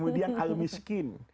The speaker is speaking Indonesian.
dia yang al miskin